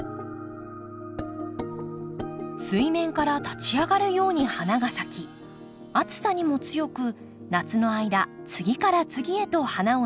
水面から立ち上がるように花が咲き暑さにも強く夏の間次から次へと花を咲かせます。